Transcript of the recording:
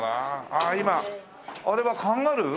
あっ今あれはカンガルー？